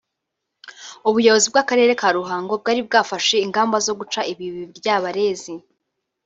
ubuyobozi bw’Akarere ka Ruhango bwari bwafashe ingamba zo guca ibi biryabarezi